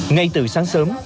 ngay từ sáng sớm